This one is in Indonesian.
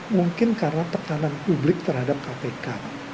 mungkin karena tekanan publik terhadap kpk